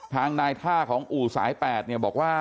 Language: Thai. ทางนายท่าของอู่วร์สาย๘บอกว่า